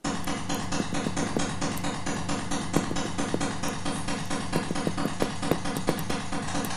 V vojni, na lovu in v ljubezni - tisoč bolečin za en užitek.